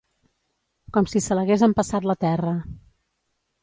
Com si se l'hagués empassat la terra.